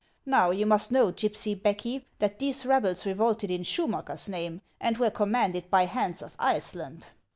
Now, you must know, gypsy Becky, that these rebels revolted in Schumacker's name, and were commanded by Hans of Iceland.